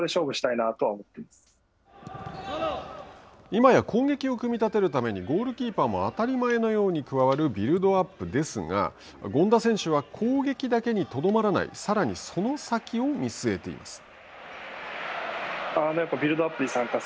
今や攻撃を組み立てるためにゴールキーパーも当たり前のように加わる加わるビルドアップですが権田選手、攻撃だけにとどまらない、さらにその先を見据えています。